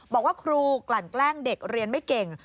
บอกว่าครูกลั่นแกล้งเด็กเรียนไม่เก่ง